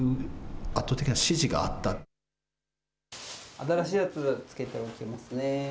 新しいやつ、付けておきますね。